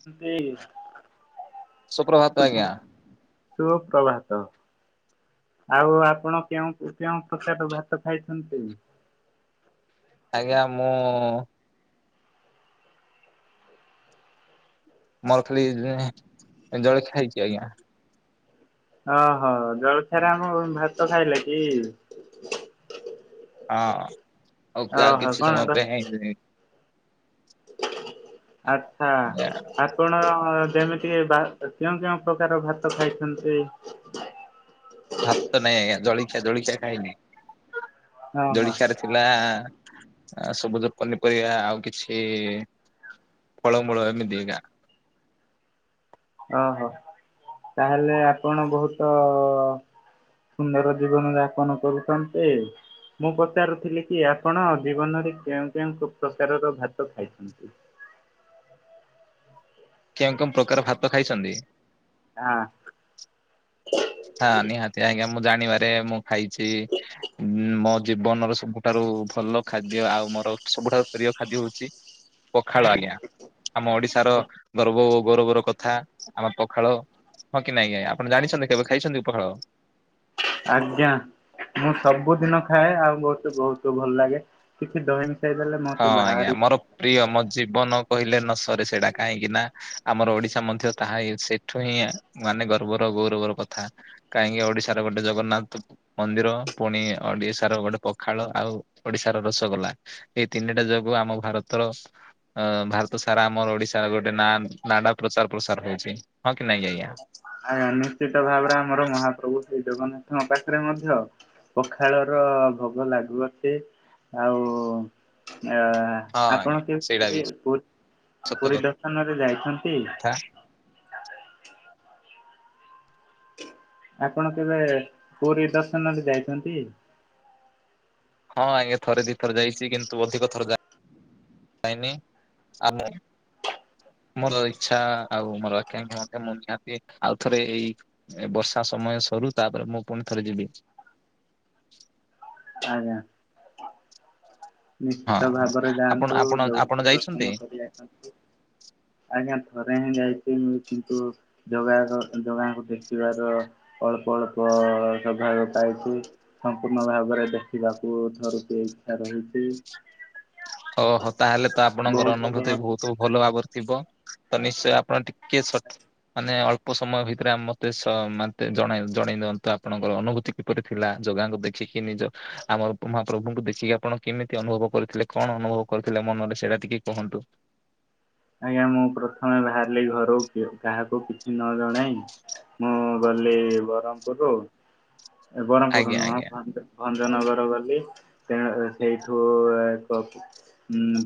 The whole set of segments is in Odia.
ମିତି ସୁପ୍ରଭାତ ଆଜ୍ଞା। ଶୁଭ ପ୍ରଭାତ। ଆଉ ଆପଣ କେଉଁ କେଉଁ ପ୍ରକାର ଭାତ ଖାଇଚନ୍ତି? ଆଜ୍ଞା ମୁଁ ମୁଁ [unintelligible] ରେ ଜଳଖିଆ ହେଇଚି ଆଜ୍ଞା। ଓହୋ ଜଳଖିଆରେ ଆମ ଭାତ ଖାଇଲେ କି। ହଁ ଆଉ କା ଓହୋ କିଛି କଣ ସମୟ ପାଇଁ ଆଚ୍ଛା। ଆପଣ ଯେମିତି ବା କେଉଁ କେଉଁ ପ୍ରକାର ଭାତ ଖାଇଚନ୍ତି? ଭାତ ନାଇଁ ଆଜ୍ଞା ଜଳିଖିଆ ଜଳିଖିଆ ଖାଇନି। ଓହୋ ଜଳିଖିଆ ରେ ଥିଲା ସବୁଜ ପନିପରିବା ଆଉ କିଛି ଫଳ ମୂଳ ଏମିତି ଏକା ଓହୋ। ତାହେଲେ ଆପଣ ବହୁତ ସୁନ୍ଦର ଜୀବନ ଯାପନ କରୁଛନ୍ତି। ମୁଁ ପଚାରୁଥିଲି କି, ଆପଣ ଜୀବନରେ କେଉଁ କେଉଁ ପ୍ରକାରର ଭାତ ଖାଇଛନ୍ତି? କେଉଁ କେଉଁ ପ୍ରକାର ଭାତ ଖାଇଛନ୍ତି? ହଁ। ହଁ ନିହାତି ଆଜ୍ଞା, ମୁଁ ଜାଣିବାରେ ମୁଁ ଖାଇଛି ମୋ ଜୀବନର ସବୁଠାରୁ ଭଲ ଖାଦ୍ୟ, ଆଉ ମୋର ସବୁଠାରୁ ପ୍ରିୟ ଖାଦ୍ୟ ହଉଛି ପଖାଳ ଆଜ୍ଞା। ଆମ ଓଡିଶାର ଗର୍ବ ଓ ଗୌରବର କଥା। ଆମ ପଖାଳ। ହଁ କି ନାଇଁ ଆଜ୍ଞା? ଆପଣ ଜାଣିଛନ୍ତି କେବେ ଖାଇଛନ୍ତି ପଖାଳ? ଆଜ୍ଞା, ମୁଁ ସବୁଦିନ ଖାଏ, ଆଉ ବହୁତ ବହୁତ ଭଲ ଲାଗେ। କିଛି ଦହି ମିଶାଇ ଦେଲେ ହଁ ମତେ ଆଜ୍ଞା ଭାରି ମୋର ପ୍ରିୟ ମୋ ଜୀବନ କହିଲେ ନ ସରେ ସେଇଟା, କାହିଁକି ନା ଆମର ଓଡିଶା ମଧ୍ୟ ତାହାଇ ସେ ଠୁ ହିଁ ମାନେ ଗର୍ବର ଗୌରବର କଥା କାହିଁକି ଓଡିଶାର ଗୋଟେ ଜଗନ୍ନାଥ ମନ୍ଦିର, ପୁଣି ଓଡିଶାର ଗୋଟେ ପଖାଳ, ଆଉ ଓଡିଶାର ରସଗୋଲା। ଏଇ ତିନିଟା ଯୋଗୁ ଆମ ଭାରତର ଭାରତ ସାରା ଆମର ଓଡିଶାର ଗୋଟେ ନା ନାଁ ଟା ପ୍ରଚାର ପ୍ରସାର ହଉଛି। ହଁ କି ନା ଆଜ୍ଞା? ଆଜ୍ଞା ନିଶ୍ଚିତ ଭାବରେ ଆମର ମହାପ୍ରଭୁ ଶ୍ରୀ ଜଗନ୍ନାଥଙ୍କ ପାଖରେ ମଧ୍ୟ ପଖାଳ ର ଭୋଗ ଲାଗୁଅଛି ଆଉ ଆ ହଁ ଆଜ୍ଞା ଆପଣ କେବେ ସେଇଟା ବି ପୁରୀ, ସତ ପୁରୀ ଦର୍ଶନ ରେ ଯାଇଛନ୍ତି? କଥା। ଆପଣ କେବେ ପୁରୀ ଦର୍ଶନରେ ଯାଇଛନ୍ତି? ହଁ ଆଜ୍ଞା ଥରେ ଦି ଥରେ ଯାଇଛି କିନ୍ତୁ ଅଧିକ ଥର ଯାଇ କାଇନି ଆମ ମୋର ଇଚ୍ଛା ଆଉ ମୋର ଆକାକ୍ଷ୍ୟା ମୁଁ ନିହାତି ଆଉ ଥରେ ଏଇ ଏ ବର୍ଷା ସମୟ ସରୁ ତାପରେ ମୁଁ ପୁଣି ଥରେ ଯିବି। ଆଜ୍ଞା। ହଁ ନିଶ୍ଚିତ ହଁ ଭାବରେ ଆପଣ ଯାଆନ୍ତୁ ଆପଣ ଆପଣ ଜଗନ୍ନାଥଙ୍କୁ ଯାଇଛନ୍ତି? ଦର୍ଶନ କରି ଆସନ୍ତୁ। ଆଜ୍ଞା ଥରେ ହିଁ ଯାଇଛି ମୁ କିନ୍ତୁ ଜଗା କ ଜଗାଙ୍କୁ ଦେଖିବାର ଅଳ୍ପ ଅଳ୍ପ ସୌଭାଗ୍ୟ ପାଇଛି। ସମ୍ପୂର୍ଣ୍ଣ ଭାବରେ ଦେଖିବାକୁ ଥରୁଟେ ଇଚ୍ଛା ରହିଛି। ଓହୋ ତାହେଲେ ତ ଆପଣଙ୍କର ବହୁତ ଘ ଅନୁଭୂତି ବହୁତ ଭଲ ଭାବରେ ଥିବ। ତ ନିଶ୍ଚୟ ଆପଣ ଟିକେ ସ ମାନେ ଅଳ୍ପ ସମୟ ଭିତରେ ମତେ ସ ମତେ ଜଣ ଜଣେଇ ଦିଅନ୍ତୁ ଆପଣଙ୍କର ଅନୁଭୂତି। କିପରି ଥିଲା? ଜଗାଙ୍କୁ ଦେଖିକି ନିଜ ଆମର ମହାପ୍ରଭୁଙ୍କୁ ଦେଖିକି ଆପଣ କେମିତି ଅନୁଭବ କରିଥିଲେ? କଣ ଅନୁଭବ କରୁଥିଲା ମନରେ? ସେଇଟା ଟିକେ କୁହନ୍ତୁ? ଆଜ୍ଞା ମୁଁ ପ୍ରଥମେ ବାହାରିଲି ଘରୁ କାହାକୁ କିଛି ନ ଜଣେଇ। ମୁଁ ଗଲି ବ୍ରରମପୁରରୁୁ। ଏ ବରହମପୁରୁ ଆଜ୍ଞା ନୁହଁ। ଆଜ୍ଞା ଭଞ୍ଜ, ଭଞ୍ଜନଗର ଗଲି। ସେ ସେଇଠୁ ତ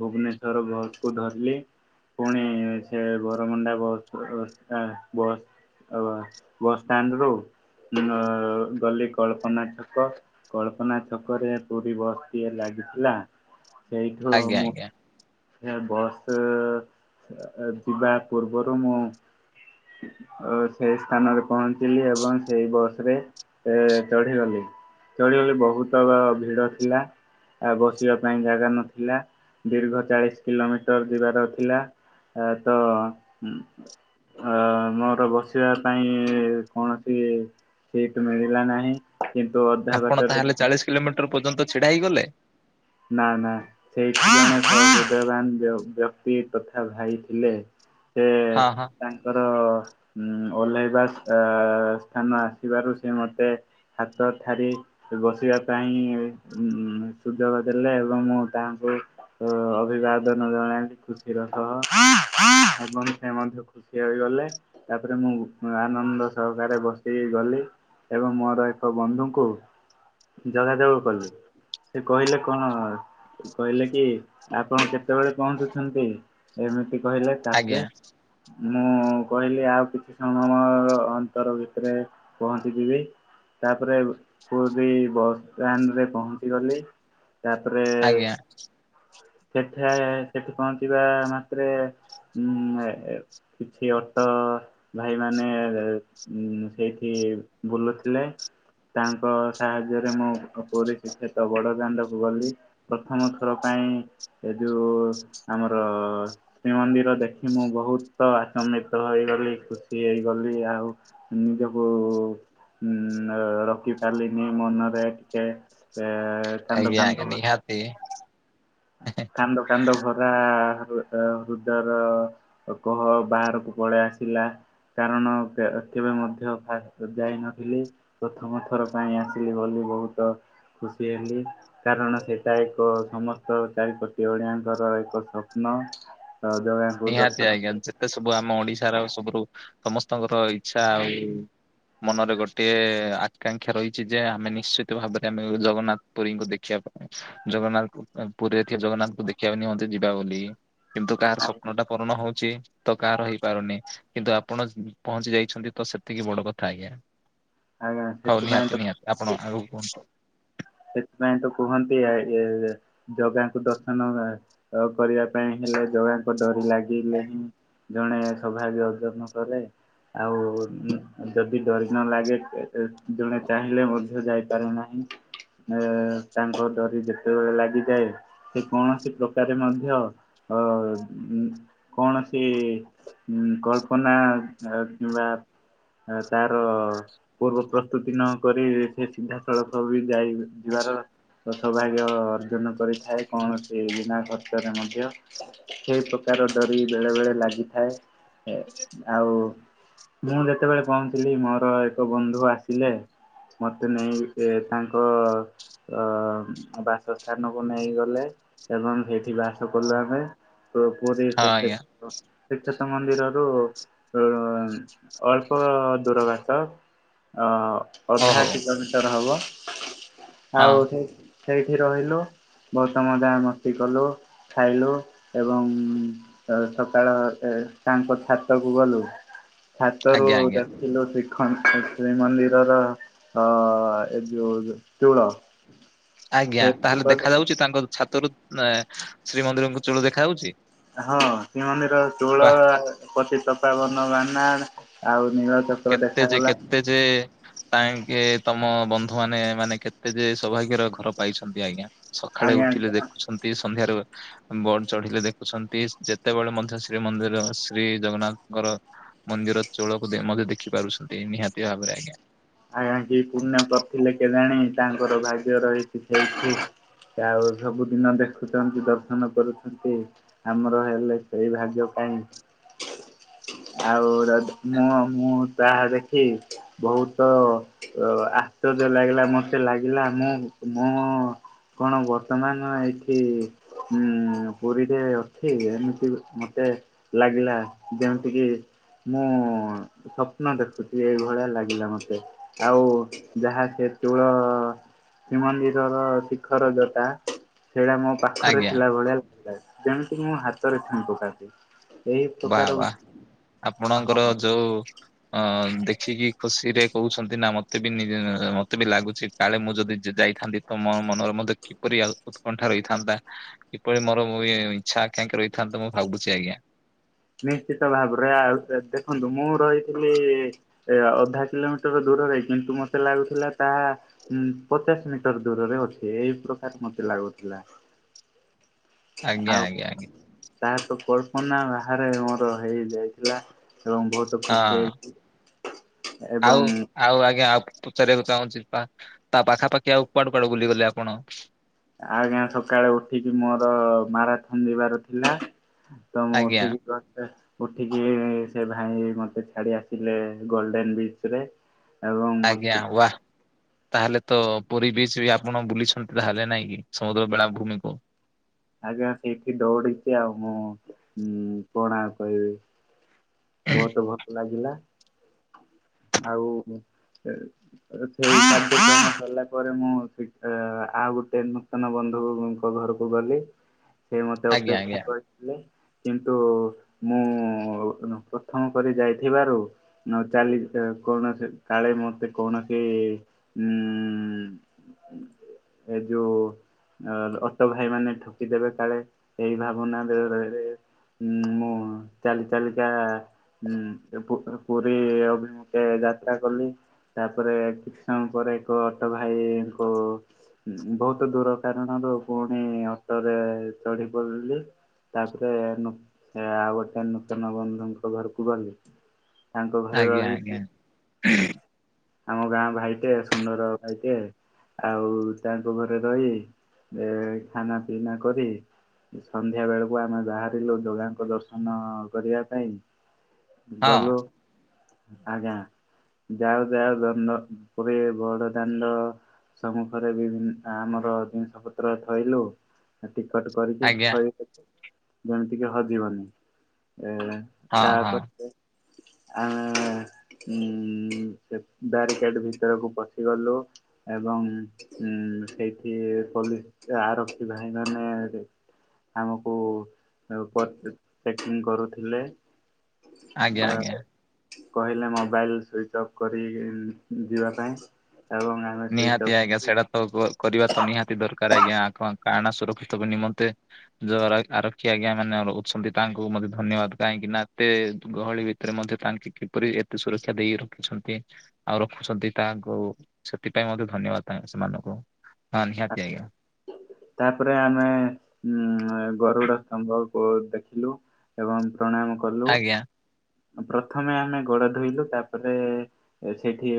ଭୁବନେଶ୍ଵର ବସକୁ ଧରିଲି। ପୁଣି ସେ ବରମୁଣ୍ଡା ବସ୍ ଷ୍ଟା ବସ୍ ଅ ବସଷ୍ଟାଣ୍ଡ ରୁ ଗଲି କଳ୍ପନା ଛକ। କଳ୍ପନା ଛକରେ ପୁରୀ ବସ୍ ଟିଏ ଲାଗିଥିଲା। ସେଇଠୁ ଆଜ୍ଞା ମୁଁ ଆଜ୍ଞା ସେ ବସ୍ ଯିବା ପୂର୍ବରୁ ମୁଁ ସେଇ ସ୍ଥାନରେ ପହଞ୍ଚିଲି ଏବଂ ସେଇ ବସ ରେ ଏ ଚଢିଗଲି ଚଢିଗଲି ବହୁତ ଭିଡ ଥିଲା। ଆଉ ବସିବା ପାଇଁ ଜାଗା ନଥିଲା ଦୀର୍ଘ ଚାଳିଶ କିଲୋମିଟର ଯିବାର ଥିଲା ତ ହଁ ମୋର ବସିବା ପାଇଁ କୌଣସି ସିଟ ମିଳିଲା ନାହିଁ। କିନ୍ତୁ ଅଧା ଆପଣ ବାଟରେ ତାହେଲେ ଜଣେ ଚାଳିଶ କିଲୋମିଟର ପର୍ଯ୍ୟନ୍ତ ଛିଡା ହେଇଗଲେ। ନାଁ ନାଁ ସେଇଠି ହୃଦୟମାନ ବ୍ୟକ୍ତି ତଥା ଭାଇ ଥିଲେ। ସେ ହଁ ହଁ। ତାଙ୍କର ଓଲ୍ଲେଇବା ସ୍ଥାନ ଆସିବାରୁ ସେ ମତେ ହାତ ଠାରି ବସିବା ପାଇଁ ସୁଯୋଗ ଦେଲେ ଏବଂ ମୁଁ ତାଙ୍କୁ ଅଭିବାଦନ ଜଣାନ୍ତି ଖୁସିର ସହ ଏବଂ ସେ ମଧ୍ୟ ଠିଆ ହୋଇ ଗଲେ ତାପରେ ମୁଁ ଆନନ୍ଦ ସହକାରେ ବସିକି ଗଲି। ଏବଂ ମୋର ଏକ ବନ୍ଧୁଙ୍କୁ ଯୋଗାଯୋଗ କଲି। ସେ କହିଲେ କଣ କହିଲେ କି ଆପଣ କେତେବେଳେ ପହଞ୍ଚୁଛନ୍ତି। ଏମିତି କହିଲା ତାପରେ ଆଜ୍ଞା ମୁଁ କହିଲି ଆଉ କିଛି ସମୟ ଅନ୍ତର ଭିତରେ ପହଞ୍ଚିଯିବି। ତାପରେ ପୁରୀ ବସଷ୍ଟାଣ୍ଡରେ ପହଞ୍ଚି ଗଲି। ତାପରେ ଆଜ୍ଞା ସେଠି ସେଠି ପହଞ୍ଚିବା ମାତ୍ରେ ହୁଁ କିଛି ଅଟୋ ଭାଇମାନ ସେଇଠି ବୁଲୁଥିଲେ। ତାଙ୍କ ସାହାଯ୍ୟରେ ମୁଁ ପୁରୀ ଶ୍ରୀକ୍ଷେତ୍ର ବଡ଼ ବଡ଼ ଦାଣ୍ଡକୁ ଗଲି ପ୍ରଥମ ଥର ପାଇଁ ଏ ଯୋଉ ଆମର ଶ୍ରୀମନ୍ଦିର ଦେଖି ମୁଁ ବହୁତ ଆଚମ୍ବିତ ହେଇଗଲି ଖୁସି ହେଇଗଲି ଆଉ। ହୁଁ ଯେ ହୁଁ ରଖିପାରିଲିନି ମନରେ ଟିକେ ଏ କାନ୍ଦ ଆଜ୍ଞା ଆଜ୍ଞା କାନ୍ଦ ନିହାତି। କାନ୍ଦ କାନ୍ଦ ଭରା ହୃଦୟର କହ ବାହାରକୁ ପଳେଇ ଆସିଲା। କାରଣ କେବେ ମଧ୍ୟ ଫାଷ୍ଟ ଯାଇନଥିଲି। ପ୍ରଥମ ଥର ପାଇଁ ଆସିଲି ବୋଲି ବହୁତ। ଖୁସି ହେଲି କାରଣ ସେଇଟା ଏକ ସମସ୍ତ କୋଟି ଓଡ଼ିଆଙ୍କର ଏକ ସ୍ୱପ୍ନା ଅଜବା ନିହାତି ଆଜ୍ଞା ଯେତେ ସବୁ ଆମ ଓଡିଶାର ସବୁରୁ ସମସ୍ତଙ୍କର ଇଛା ଆଉ ମନରେ ଗୋଟିେ ଆକାଂକ୍ଷା ରହିଛି ଯେ ଆମେ ନିଶ୍ଚିତ ଭାବରେ ଆମେ ଜଗନ୍ନାଥ ପୁରୀଙ୍କୁ ଦେଖିବା ପାଇଁ- ଜଗନ୍ନାଥ ପୁରୀ ଥିବା ଜଗନ୍ନାଥଙ୍କୁ ଦେଖିବା ନିମନ୍ତେ ଯିବା ବୋଲି କିନ୍ତୁ କାହାର ସ୍ୱ ଆଜ୍ଞା ପୂରଣ ହଉଛି। ତ କାହାର ହେଇପାରୁନି କିନ୍ତୁ ଆପଣ ପହଞ୍ଚି ଯାଇଛନ୍ତି ତ ସେତିକି ବଡ କଥା ଆଜ୍ଞା। ଆଜ୍ଞା ହଉ ସେଥିପାଇଁ ନିହାତି ନିହାତି ଆପଣ ତ ଆଉ ବସ। ସେଥିପାଇଁ ତ କୁହନ୍ତି ଜଗାଙ୍କୁ ଦର୍ଶନ ଅଉ କରିବା ପାଇଁ ହେଲେ ଜଗାଙ୍କ ଡୋରି ଲାଗିଲେ। ଜଣେ ସୌଭାଗ୍ୟ ଅର୍ଜନ କଲେ ଆଉ ଯଦି ଡରି ନ ଲାଗେ ଜଣେ ଚାହିଁଲେ ମଧ୍ୟ ଯାଇପାରେ ନାହିଁ। ଏ ତାଙ୍କ ଡରି ଯେତେବେଳେ ଲାଗିଯାଏ ସେ କୌଣସି ପ୍ରକାରେ ମଧ୍ୟ ଅ କୌଣସି ହୁଁ, କଳ୍ପନା କିମ୍ବା ତାର ପୂର୍ବ ପ୍ରସ୍ତୁତି ନକରି ସେ ସିଧାସଳଖ ବି ଯାଇ ଯିବାର ସୌଭାଗ୍ୟ ଅର୍ଜନ କରିଥାଏ କୌଣସି ବିନା ଖର୍ଚ୍ଚରେ ମଧ୍ୟ। ସେଇ ପ୍ରକାର ଡରି ବେଳେବେଳେ ଲାଗିଥାଏ। ଆଉ ମୁଁ ଯେତେବେଳେ ପହନ୍ଚିଲି ମୋର ଏକ ବନ୍ଧୁ ଆସିଲେ ମତେ ନେଇ ସେ ତାଙ୍କ ଅ ବାସ ସ୍ଥାନକୁ ନେଇଗଲେ ଏବଂ ସେଇଠି ବାସ କଲୁ ଆମେ। ତ ପୁରୀ ହଁ ଆଜ୍ଞା। ଶ୍ରୀକ୍ଷେ ଶ୍ରୀକ୍ଷେତ୍ର ମନ୍ଦିରରୁ ଅଳ୍ପ ଦୂର ବାଟ ଅ ହଉ ଅଧା ହଉ କିଲୋମିଟର୍ ହବ। ହଁ ଆଉ ସେ ସେଇଠି ରହିଲୁ ବହୁତ ମଜା ମସ୍ତି କଲୁ। ଖାଇଲୁ ଏବଂ ତ ସକାଳ ତାଙ୍କ ଛାତକୁ ଗଲୁ, ଛାତରୁ ଆଜ୍ଞା ଆଜ୍ଞା ଦେ ଖିଲୁ ଶ୍ରୀ ଶ୍ରୀମନ୍ଦିରର ଅ ଏଯୋଉ ଚୁଳ। ଆଜ୍ଞା ତାହେଲେ ଦେଖା ଯାଉଚି ତାଙ୍କ ଛାତରୁ ଶ୍ରୀମନ୍ଦିରଙ୍କୁ ଚୁଳ ଦେଖା ଯାଉଚି? ହଁ ଶ୍ରୀମନ୍ଦିର ଚୁଳ ପତିତପାବନ ବାନା ଆଉ ନୀଳ ଚ କେତେ ଯେ କେତେ ଯେ [unintelligible] ତମ ବନ୍ଧୁମାନେ ମାନେ କେତେ ଯେ ସୌଭାଗ୍ୟର ଘର ପାଇଛନ୍ତି ଆଜ୍ଞା। ସଖାଳେ ଆଜ୍ଞା ଉଠିଲେ ଆଜ୍ଞା। ଦେଖୁଛନ୍ତି, ସନ୍ଧ୍ୟାରେ ବଡ ଚଢିଲେ ଦେଖୁଛନ୍ତି ଯେତେବେଳେ ମଧ୍ୟ ଶ୍ରୀମନ୍ଦିର ଶ୍ରୀ ଜଗନ୍ନାଥଙ୍କର ମନ୍ଦିର ଚୁଳକୁ ମଧ୍ୟ ଦେଖି ପାରୁଛନ୍ତି ନିହାତି ଭାବରେ ଆଜ୍ଞା। ଆଜ୍ଞା କି ପୁଣ୍ୟ କରିଥିଲେ କେଜାଣୀ ତାଙ୍କର ଭାଗ୍ୟ ରହିଚି ସେଇଠି। ସେ ଆଉ ସବୁଦିନ ଦେଖୁଚନ୍ତି ଦର୍ଶନ କରୁଛନ୍ତି। ଆମର ହେଲେ ସେଇ ଭାଗ୍ୟ କାଇଁ। ଆଉ ମୁଁ-ମୁଁ ତାହା ଦେଖି ବହୁତ ତ ଆଶ୍ଚର୍ଯ୍ୟ ଲାଗିଲା ମତେ ଲାଗିଲା, ମୁଁ-ମୁଁ କଣ ବର୍ତ୍ତମାନ ଏଇଠି ହୁଁ ପୁରୀରେ ଅଛି ଏମ୍ତି ମତେ ଲାଗିଲା ଯେମ୍ ତିକି ମୁଁ ସ୍ୱପ୍ନ ଦେଖୁଚି ଏଇଭଳିଆ ଲାଗିଲା ମତେ। ଆଉ ଯାହା ସେ ଚୁଳ ଶ୍ରୀମନ୍ଦିରର ଶିଖର ଜଟା, ସେଇଟା ମୋ ପାଖରେ ଆଜ୍ଞା ଥିଲା ଭଳିଆ [unintelligible] ଯେମ୍ତି ମୁଁ ହାତରେ ଠେମ୍ପ କାଟ ଏହି ବା ପ୍ରକାର ବା ହଁ ଆପଣଙ୍କର ଯୋଉ ଅ ଦେଖିକି ଖୁସିରେ କହୁଛନ୍ତି ନା ମତେ ବି ମତେ ବି ଲାଗୁଛି କାଳେ ମୁଁ ଯଦି ଯାଇଥାନ୍ତି ତ ମୋ ମନରେ ମଧ୍ୟ କିପରି ଉତ୍କଣ୍ଠା ରହିଥାନ୍ତା। କିପରି ମୋର ଇଚ୍ଛା ଆକାଂକ୍ଷା ରହିଥାନ୍ତା ମୁଁ ଭାବୁଚି ଆଜ୍ଞା। ନିଶ୍ଚିତ ଭାବରେ ଆଉ ଦେଖନ୍ତୁ ମୁଁ ରହିଥିଲି ଏ ଅଧା କିଲୋମିଟର ଦୂରରେ କିନ୍ତୁ ମତେ ଲାଗୁଥିଲା ତାହା ହୁଁ ପଚାଶ୍ ମିଟର୍ ଦୂରରେ ଅଛି ଏଇ ପ୍ରକାର ମତେ ଲାଗୁଥିଲା। ଆଜ୍ଞା ଆଉ ଆଜ୍ଞା ଆଜ୍ଞା ତାହା ତ କଳପନା ବା। ବାହାରେ ମୋର ହେଇଯାଇଥିଲା ଏବଂ ବହୁତ ଖୁସି ହଁ। ହେଇଚି। ଆଉ? ଆଉ ଆଜ୍ଞା ଆଉ ପ-ପ-ପଚାରିବାକୁ ଚାହୁଁଚି ତା ପାଖାପାଖି ଆଉ କୁଆଡୁ କୁଆଡୁ ବୁଲିଗଲେ ଆପଣ? ଆଜ୍ଞା ସକାଳେ ଉଠିକି ମୋର ମାରା ଥନ୍ଦିବାର ଥିଲା। ତ ମୁଁ ଆଜ୍ଞା ଉଠିକି [unintelligible] ଉଠିକି ସେ ଭାଇ ମୋତେ ଛାଡ଼ି ଆସିଲେ ଗୋଲ୍ଡେନ୍ ବିଚ୍ରେ। ଆଜ୍ଞା ୱା। ତାହେଲେ ତ ପୁରୀ ବିଚ୍ ବି ଆପଣ ବୁଲିଛନ୍ତି ତାହେଲେ ନାଇଁ କି? ସମୁଦ୍ର ବେଳା ଭୂମି ପ ଆଜ୍ଞା ସେଇଠି ଦୌଡିଚି ଆଉ ମୁଁ କଣ କହିବି। ବହୁତୁ ଭଲ ଲାଗିଲା। ଆଉ ମୁଁ ଏ [inaudible] [inaudible] ପରେ ମୁଁ ଆଉ ଗୋଟେ ଦିନ ନୂତନ ବନ୍ଧୁଙ୍କ ଘରକୁ ଗଲି। ସେ ମତେ ଆଜ୍ଞା ଅପେକ୍ଷା ଆଜ୍ଞା କରି ଥିଲେ କିନ୍ତୁ ମୁଁ [unintelligible] ପ୍ରଥମ କରି ଯାଇଥିବାରୁ ନ ଚାଲି କୌଣସି କାଳେ ମତେ କୌଣସି ହୁଁ ଏ ଯୋଉ ଅ ଅଟ ଭାଇମାନେ ଏଠୁ [unintelligible] ଦେବେ କାଳେ ଏଇ ଭାବନା [unintelligible] ରହିରହି ଉମ୍ ମୁଁ ଚାଲି ଚାଲିକା ହୁଁ ଏ ପୁ ପୁରୀ ଅଭିମୁଖେ ଯାତ୍ରା କଲି। ତାପରେ କିଛି ସମୟ ପରେ ଏକ ଅଟୋ ଭାଇଙ୍କୁ [unintelligible] ବହୁତ ଦୂର କାରଣରୁ ପୁଣି ଅଟୋରେ ଚଢି ପରିଲି। ତାପରେ ଆଉ ନୁ ଗୋଟେ ନୂତନ ବନ୍ଧୁଙ୍କ ଘରକୁ ଗଲି। ତାଙ୍କ ଘରେ ଆଜ୍ଞା ରହିଲି ଆଜ୍ଞା। ଆମ ଗାଁ ଭାଇଟେ ସୁନ୍ଦର ଭାଇଟେ ଆଉ ତାଙ୍କ ଘରେ ରହି ଏ ଖାନା ପିନା କରି ସନ୍ଧ୍ୟା ବେଳକୁ ଆମେ ବାହାରିଲୁ ଯୋଗାଙ୍କ ଦର୍ଶନ କରିବା ପାଇଁ। ହଁ ଗଲୁ ଆଜ୍ଞା ଯାଉ ଯାଉ ଦଣ୍ଡ ପୁରୀ ବଡଦାଣ୍ଡ ସମ୍ମୁଖରେ ବିଭିନ୍ ଆମର ଜିନିଷ ପତ୍ର ଥୋଇଲୁ। ଟିକଟ କରିକି ଆଜ୍ଞା ଥୋଇ ଯେମିତିକି ହଜିବନି। ଏ ହଁ ହଁ। ତାପରେ ଆମେ ଉମ୍ ସେ ବ୍ୟାରିକେଡ୍ ଭିତରକୁ ପଶିଗଲୁ। ଏବଂ ଉମ୍ ସେଇଠି ପୋଲିସ ଆରକ୍ଷୀ ଭାଇମାନେ ଆମକୁ [unintelligible] ପ୍ୟାକିଂ କରୁଥିଲେ। ଆଜ୍ଞା ଆଜ୍ଞା। [unintelligible] କହିଲେ ମୋବାଇଲ ସୁଇଚ୍ ଅଫ୍। କରି ଯିବା ପାଇଁ ଏବଂ ଆମେ ସୁଇଚ୍ ନିହାତି ଅଫ୍ ଆଜ୍ଞା ସେଇଟା ତ କ କରିବା ତ ନିହାତି ଦରକାର ଆଜ୍ଞା। କ କାରଣ ସୁରକ୍ଷିତ ବି ନିମନ୍ତେ ଯୋଉ ଆର ଆରକ୍ଷୀ ଆଜ୍ଞା ମାନେ ରଉଛନ୍ତି ତାଙ୍କୁ ମତେ ଧନ୍ୟବାଦ୍ କାହିଁକିନା ଏତେ ଗହଳି ଭି ତରେ ମଧ୍ୟ ତାଙ୍କେ କିପରି ଏତେ ସୁରକ୍ଷା ଦେଇ ରଖିଛନ୍ତି ଆଉ ରଖୁଛନ୍ତି ତାଙ୍କୁ ସେଥିପାଇଁ ମୋତେ ଧନ୍ୟବାଦ୍ ତା ସେମାନଙ୍କୁ ହଁ ନିହାତି ଆଜ୍ଞା। ତାପରେ ଆମେ ଉମ୍ ଗରୁଡ ସ୍ତମ୍ଭ କ ଦେଖିଲୁ। ଏବଂ ପ୍ରଣାମ କଲୁ। ଆଜ୍ଞା ପ୍ରଥମେ ଆମେ ଗୋଡ ଧୋଇଲୁ ତାପରେ ସେଠି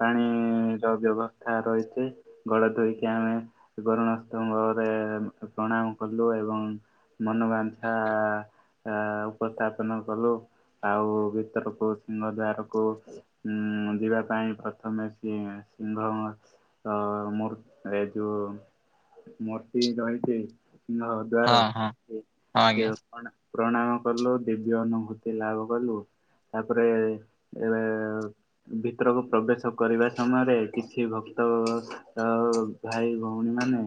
ପାଣିର ବ୍ୟବସ୍ଥା ରହିଚି ଗୋଡ ଧୋଇକି ଆମେ [unintelligible] ରେ ପ୍ରଣାମ କଲୁ ଏବଂ ମନ ବାଞ୍ଛା ଆ ଉପସ୍ଥାପନ କଲୁ ଆଉ ଭିତରକୁ ସିଂହ ଦ୍ୱାର କୁ ଉଁ ଯିବା ପାଇଁ ପ୍ରଥମେ ସିଏ ସିଂହ ତ ମୋର ଏ ଯୋଓ ମୂର୍ତ୍ତି ରହିଚି ସିଂହ ହଁ ହଁ ହଁ ଆଜ୍ଞା ଦ୍ୱାର ପ୍ରଣାମ କଲୁ ଦିବ୍ୟ ଅନୁଭୂତି ଲାଭ କଲୁ। ତାପରେ ଏଣେ ଭିତରକୁ ପ୍ରବେଶ କରିବା ସମୟରେ କିଛି ଭକ୍ତ ତ ଭାଇ ଭଉଣୀ ମାନେ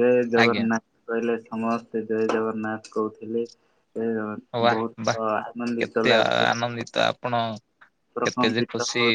ଜେ ଆଜ୍ଞା ଜଗନ୍ନାଥ। କହିଲେ ସମସ୍ତେ ଜୟ ଜଗନ୍ନାଥ କହୁଥିଲେ ଅୱା ବା ବହୁତ ଆନନ୍ଦିତ କେତେ ଲାଗୁଥିଲା ଆନନ୍ଦିତ ଆପଣ। କେତେ ଯେ ପ୍ରକମ୍ପିତ ଖୁସି